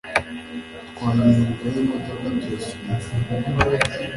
Twageze inyuma yimodoka turasunika